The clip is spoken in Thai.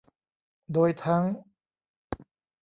โดยทั้ง